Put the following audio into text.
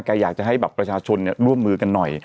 อยากจะให้แบบประชาชนร่วมมือกันหน่อย